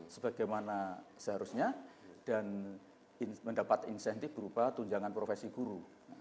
sebagaimana seharusnya dan mendapat insentif berupa tunjangan profesi guru